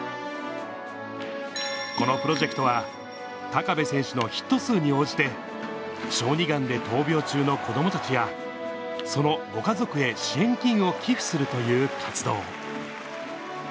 このプロジェクトは高部選手のヒット数に応じて、小児がんで闘病中の子どもたちや、そのご家族へ支援金を寄付するという活動。